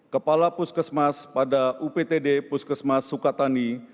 kepala puskesmas pada uptd puskesmas sukatani